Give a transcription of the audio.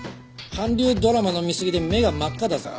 韓流ドラマの見すぎで目が真っ赤だぞ。